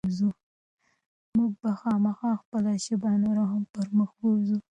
موږ به خامخا خپله ژبه نوره هم پرمخ بوځو.